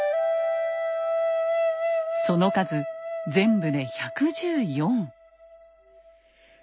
その数全部で１１４。